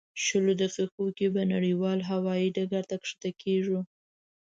شلو دقیقو کې به نړیوال هوایي ډګر ته ښکته کېږو.